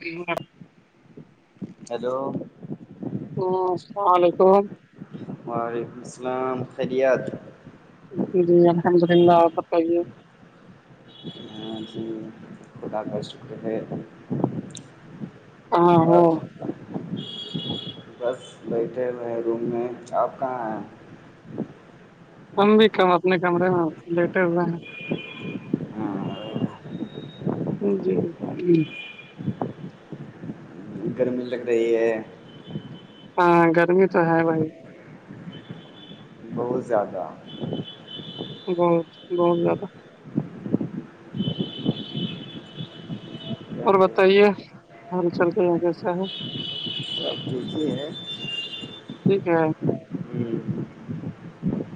ج ہیلو ہ السلام علیکم وعلیکم السلام خیریت ج جیی الحمد ال للہ بتے ہاں [unintelligible] خ س ہے کہاں ہو [unintelligible] بس بیٹھے ہوئے روم میں آپ کہاں ہیں کم بھی کم اپنے کمرے میں لیٹے ہوئے ہیں ہاں، ہ جی ہ گرمی لگ رہی ہے ہاں گرمی تو ہے بھائی بہت زیادہ بہت بہت زیادہ اور کیا کہیں بتائیے حال چلتے یہ کیسا ہے سب چیز یہ ہے ٹیک ہے ہوں،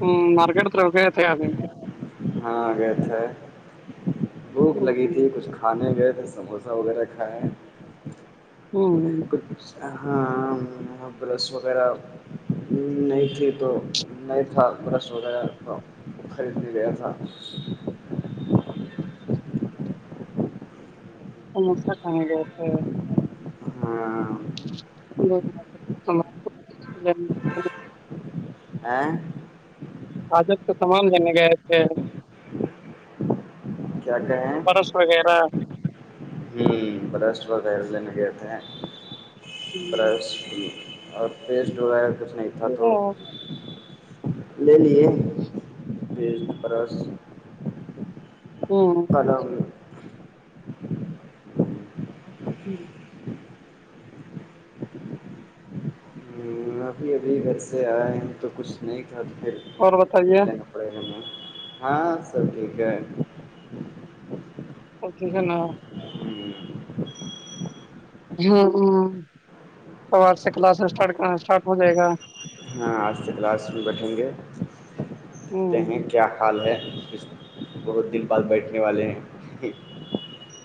ہ مارکیٹ طر گیا تھے ابھی ہاں گیا تھ ہے بھوک لگی تھی کچھ کھانے گئے تھے سموسا وغیرہ کھائے کچھ ہاں برس وغیرہ نہیں تھی تو نہیں تھا برش وغیرہ کا خریدنے گیا تھا سسہ کھان جیا تھ ہے نہیں [inaudible] آادب تو تمام جنے گئے تھے کیا کہ ہیں برش وغیرہ برش وغیرہ لینے گتے ہیں برش بھی اور پیسٹ وغیرہ کچھ نہیں تھا تو لے لیے تج فرس [inaudible] پلو ہوں ہم ابھی ابھی گھر سے آئے ہیں تو کچھ نہیں تھا تو پھر اور بتائیے لینا پڑے ہیں ہاں سب ٹھیک ہے اورک ہےناا ہے ہ ہ سوار سے کلاس اسٹارٹ اسٹارٹ ہو جائے گا ہاں آج سے کلاس بھی بیٹھیں گے ستے ہیں ہوں کیا حال ہے اس بہت دن بعد بیٹھنے والے ہیں ایک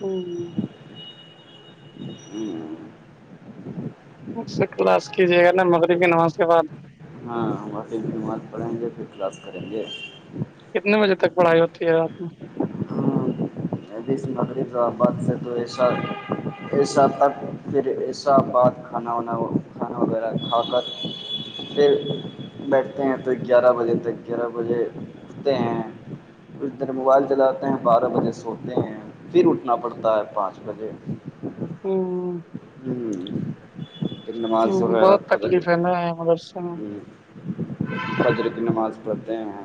ہوں ہوں اس سے کلاس کیجیے گا نا مغرب کی نماز کے بعد ہاں واقعی خدومات پڑھیں گے پھر کلاس کریں گے کتنے بجے تک پڑھائی ہوتی ہے رات میں مب س نگری جو آباد سے توشار ایسا تک پھر ایسا بعد کھانا وانا کھانا وغیرہ کھا کر پھر بیٹھتے ہیں تو گیارہ بجے تک گیارہ بجے اھتے ہیں اس در موبائل چلاتے ہیں بارہ بجے سوتے ہیں پھر اٹھنا پڑتا ہے پانچ بجے ہ [unintelligible] ہ پ مس ہ ویر بہت پتکے تکلیف ہے نا مدرسے میں ہ حجر کی نماز پڑھتے ہیں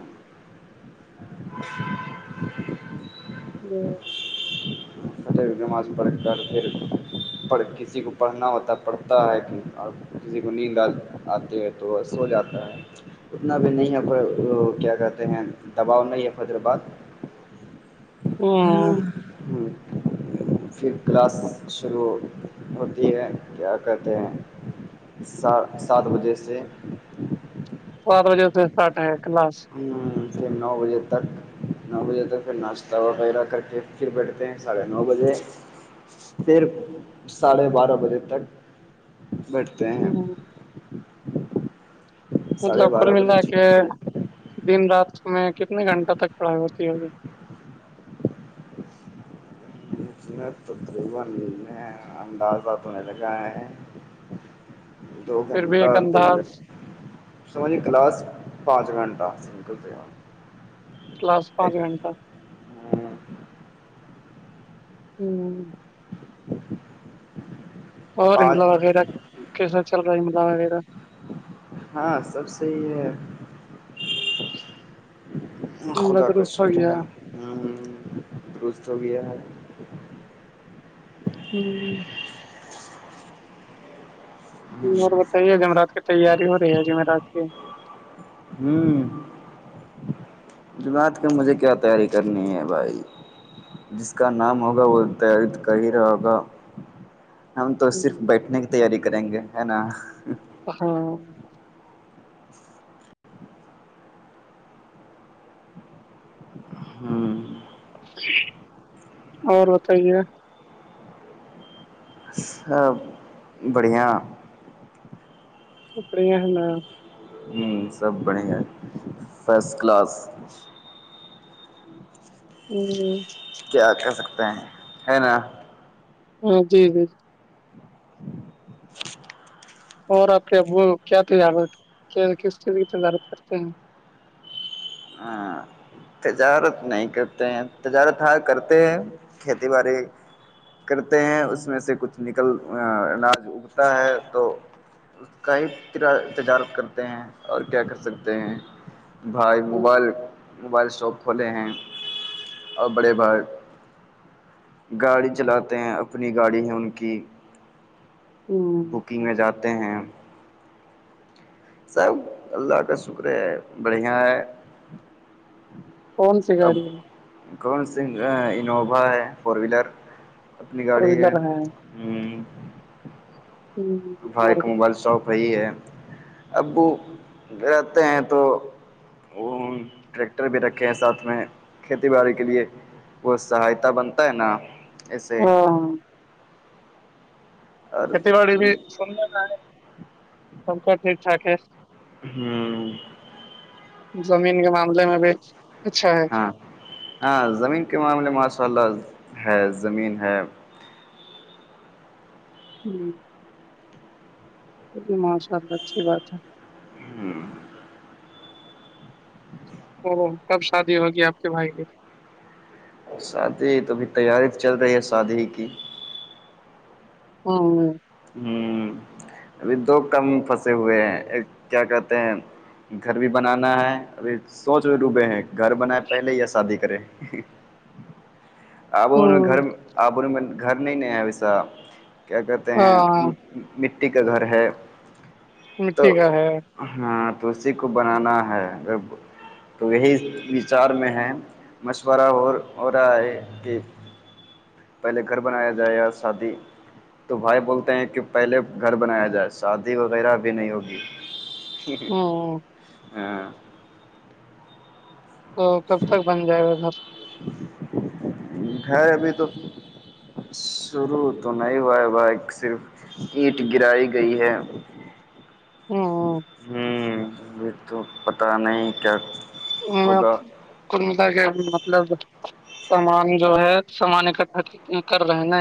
[inaudible] چ مس پڑ کا رہ پڑھ کسی کو پڑھنا ہوتا پڑتا ہے کہ اور کسی کو نیندال آتے ہیں تو ب سو جاتا ہے اتنا بھی نہیں ہے کو کیا کہتے ہیں دباؤ نہیں ہے فیدرآباد ہوں [unintelligible] پھر کلاس شروع ہوتی ہے کیا کرتے ہیں سات سات بجے سے بارہ بجے اتے سے اسٹارٹ ہے کلاس ہ سے نو بجے تک نو بجے تک پھر ناشتہ وغیرہ کر کے پھر بیٹھتے ہیں ساڑھے نو بجے پھر ساڑھے بارہ بجے تک بیٹھتے ہیں ہ ساڑھے مطلب کل بارہ بجے ملا کے دن رات میں کتنے گھنٹہ تک پڑھائی ہوتی ہوگی [inaudible] دو پھر بھی گھنٹہ ایک اور د گ انداز سج کلاس پانچ گھنٹہ سکل کس پانچ گنٹہ [inaudible] اور عملا پانچ وغیرہ کیسا چل رہا ہے عملہ وغیرہ ہاں سب صحیح ہے خدا کا مدروس ہو شکر گیا ہے درست ہو گیا ہے ہوں جی اور بتائیے جمعرات کی تیاری ہو رہی ہے جمعرات کی ہوں جمعات کے مجھے کیا تیاری کرنی ہے بھائی جس کا نام ہوگا وہ تد کہ ہی رہے گا ہم تو صرف بیٹھنے کی تیاری کریں گے ہے نا ہاں ہوں اور بتائیے سب بڑھیاں اپڑیا ہے نا ہوں سب بڑے ہیں فسٹ کلاس ہوں کیا کہہ سکتے ہیں ہے نا ہاں جی جی جی [inaudible] اور آپ کے ابو کیا تجارت کس چیز کی تجارت کرتے ہیں ہاں تجارت نہیں کرتے ہیں تجارت ہ کرتے ہیں کھیتی باڑی کرتے ہیں اس میں سے کچھ نکل اناج اگتا ہے تو اس کا ہی تجارت کرتے ہیں اور کیا کر سکتے ہیں بھائی موبائل موبائل شاپ کھولے ہیں اور بڑے بھر گاڑی چلاتے ہیں اپنی گاڑی ہے ان کی ہوں بکنگ میں جاتے ہیں سب اللہ کا شکر ہے بڑھیا ہے کون سی اب گاڑی ہے کون س انووا ہے فور وہیلر اپنی فور گاڑی ہے ویلر ہوں، ہ بھائی اور کا موبائل شاپ ہےی ہے ابو رہتے ہیں تو وہ ٹریکٹر بھی رکھے ہیں ساتھ میں کھیتی باڑی کے لیے وہ سہایتا بنتا ہے نا ایسے ہاں اور کھیتی باڑی بھی سندر نہ ہے سب کا ٹھیک ٹھاک ہے ہوں زمین کے معاملے میں بھی اچھا ہے ہاں ہاں زمین کے معاملے ماشاء اللہ ہے زمین ہے ہوں ماشاء اللہ اچھی بات ہے ہوں او کب شادی ہوگی آپ کے بھائی کی شادی توب تیاری چل رہی ہے شادی ہی کی ہاں ہ ابھی دو کم پھنسے ہوئے ہیں ایک کیا کہتے ہیں گھر بھی بنانا ہے ابھی سوچ بھی ڈوبے ہیں گھر بنیں پہلے ہییا شادی کرے ہ [inaudible] آب ان میں گھر آب ان میں گھر نہیں نہیں ہے ویسا کیا کہتے ہیں ہاں مٹی کا گھر ہے تو مٹھیک ہے ہاں تو اسی کو بنانا ہے اگر تو یہی وچار میں ہے مشورہ ہو رہا ہے کہ پہلے گھر بنایا جائے گ شادی تو بھائی بولتے ہیں کہ پہلے گھر بنایا جائے شادی وغیرہ بھی نہیں ہوگی ہوں ہاں تو کب تک بن جائے گا گھر ہےیر ابھی تو شروع تو نہیں ہوا ہے بائک صرف اینٹ گرائی گئی ہے ہ ہوں یہ تو پتہ نہیں کیا ہوگا کو متا کہ مطلب سامان جو ہے سامان اکٹھا کر رہے ہیں نا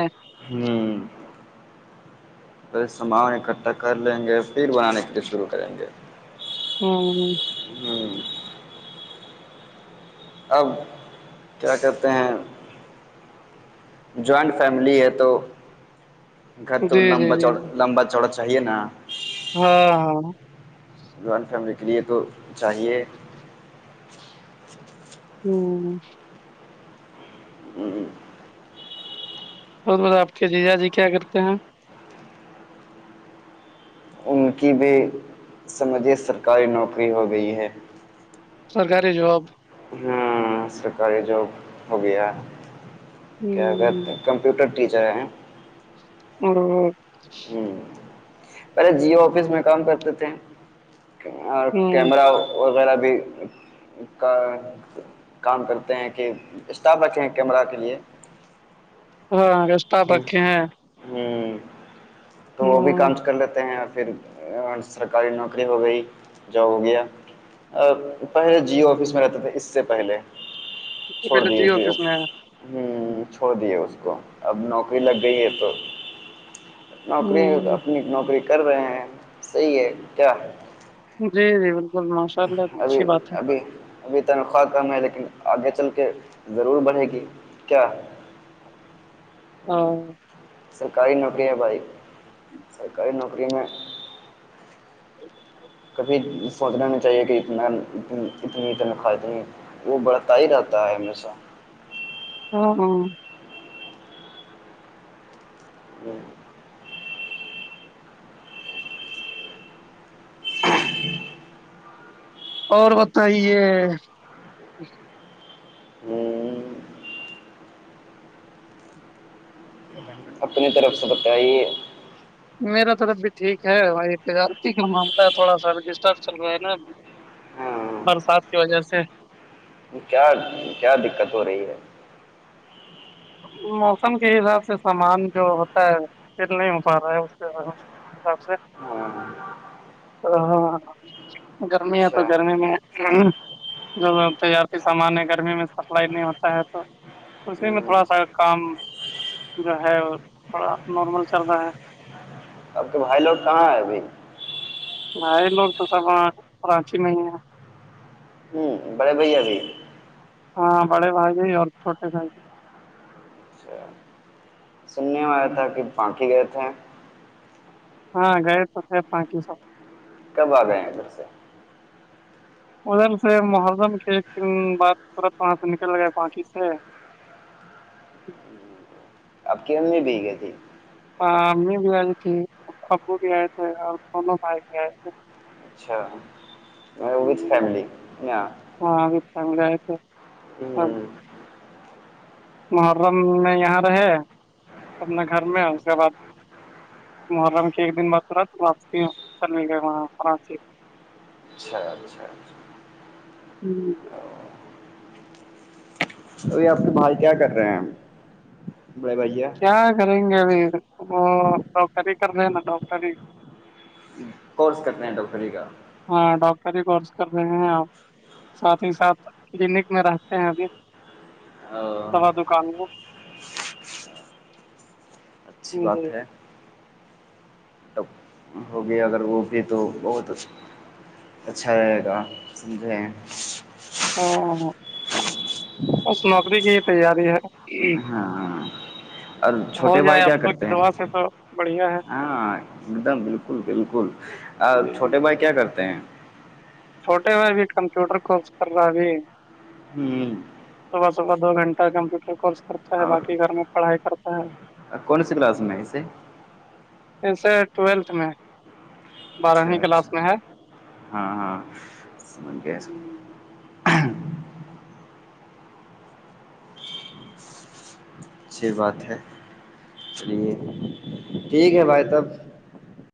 ہ پے سامان اکٹھا کر لیں گے پھر بنانے کا شروع کریں گے ہاں ہوں اب کیا کہتے ہیں جوائنٹ فیملی ہے تو گھر تو جی جی لمبا چا جی لمبا چوڑا چاہیے نا ہاں ہاں جوائن فیملی کے لیے تو چاہیے ہوں ہوں ہوں بہت ب آپ کے جی جا جی کیا کرتے ہیں ان کی بھی سمجھیے سرکاری نوکری ہو گئی ہے سرکاری جواب ہ سرکاری جاب ہو گیا ہ کیا اگر کمپیوٹر ٹیچر ہیں ہ ہ پہلے جیو آفس میں کام کرتے تھے اور ہوں کیمرہ وغیرہ بھی کا کام کرتے ہیں کہ اسٹاف بچے ہیں کیمرہ کے لیے ہاں اسٹاف ہ رکھے ہیں ہ تو وہ بھی ہ کام کر لیتے ہیں اور پھر سرکاری نوکری ہو گئی جو ہو گیا پہلے جیو آفس میں رہتے تھے اس سے پہلے چھوڑ پہلے جیو دیے ہ آفس میں ہے چھوڑ دیے اس کو اب نوکری لگ گئی ہے تو نوکری ہ اپنی نوکری کر رہے ہیں صحیح ہے کیا ہے جی جی بالکل ماشاء اللہ تو ابھی اچھی بات ہے ابھی ابھی تنخواہ کم ہے لیکن آگے چل کے ضرور بڑھے گی کیا ہاں سرکاری نوکری ہے بھائی سرکاری نوکری میں کبھی سوچنا نہیں چاہیے کہ اتنا اتنی اتنا کاات ہیں وہ بڑھتا ہی رہتا ہے ہمیشہ ہاں ہاں ہاں اور بتائیے ہوں [inaudible] اپنی طرف سے بتائیے میرا تو اب بھی ٹھیک ہے بائی پ آرتی ہی کا مانتا ہے تھوڑا سا ڈسٹرب چل رہا ہے نا ہاں برسات کی وجہ سے کیا کیا دقت ہو رہی ہے موسم کے حساب سے سامان جو ہوتا ہے تیل نہیں ہو پا رہا ہے اس ہاں ا ہاں گرمی ہے تو اچھا گرمی میں جو تجارتی سامان ہے گرمی میں سپلائی نہیں ہوتا ہے تو اسی میں اپ س [unintelligible] کام جو ہے تھوڑا نارمل چل رہا ہے اب کے بھائی لوگ کہاں ہے بھائی ن لوگ تو سب کراچی میں ہی ہیں ہوں بڑے بئی رہ ہاں بڑے بھائی جی اور چھوٹے بھائی ج اچھا سننے میں آیا تھا کہ پانک گئے تھے ہاں گئے تو تھ پچ سو کب آ گئے ہیں ادھر سے ادھر سے محرم کے ایک دن بعد ترت وہاں سے نکل گئے بااکی سے آپ کے ہم میں بھی گئے تھے امی بھی آئی تھی ابو بھی آئے تھے اور دونوں بھائی بھی آئے تھے اچھاتھ فم ہاں اب چگ جائے تھ [inaudible] محرم میں یہاں رہے اپنے گھر میں اس کے بعد محرام کی ایک دن بات ہو رہا تو واپسی چلنے گئے وہاں ران اچھا اچھاچ [unintelligible] اھی آپ کے بھائی کیا کر رہے ہیں بڑے بھائییا کیا کریں گے ابھی وہ ڈاکٹری ہی کر رہے ہیں نا ڈاکٹری ہی کورس کرنے ہیں ڈاکٹری کا ہاں ڈاکٹری ہی کورس کر رہے ہیں آپ ساتھ ہی ساتھ کلینک میں رہتے ہیں ابھی دوا دکان میں اچھی بات ہے [inaudible] تب ہوگی اگر وہ بھی تو بہت اچھا رہے گا سمجھے ہاں اس نوکری کی ہی تیاری ہے ہاں اور ہو چھوٹے جائے بھائی کیا آپ لوگ کی کرتے ہیں دعا سے تو بڑھیا ہے ہاں ایک دم بالکل بالکل جی چھوٹے بھائی کیا کرتے ہیں چھوٹے ہو بھی کمپیوٹر کورس کر رہا ہے بھی ھمم صبح صبح دو گنٹہ کمپیوٹر کورس کرتا ہے اور باقی گھر میں پڑھائی کرتا ہے کون سی کلاس میں ہے اسے ایسے ٹویلتھ میں اچھا بارہویں اچھا کلاس میں ہے ہاں ہاں ہے اچھی بات ہے چلیے ٹھیک ہے بھائی تب